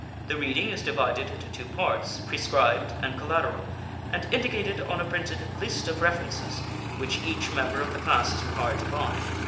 The reading is divided into two parts, prescribed and collateral, and indicated on a printed "List of References" which each member of the class is required to buy.